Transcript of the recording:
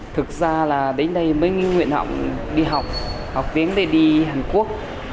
thực ra là đến đây mới nguyện học đi học học tiếng để đi hàn quốc